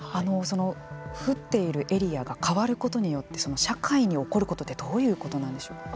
降っているエリアが変わることによって社会に起こることってどういうことなんでしょうか。